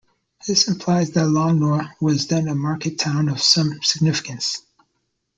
This implies that Longnor was then a market town of some significance.